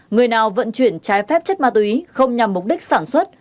người nào vận chuyển trái phép chất ma túy không nhằm mục đích sản xuất